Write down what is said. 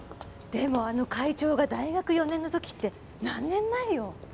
でもあの会長が大学４年の時って何年前よ？